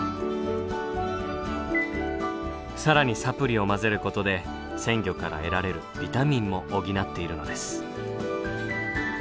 更にサプリを混ぜることで鮮魚から得られるビタミンも補っているのです。